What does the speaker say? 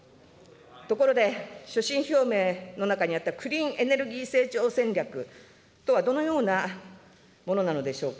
ところで所信表明の中にあったクリーンエネルギー成長戦略とは、どのようなものなのでしょうか。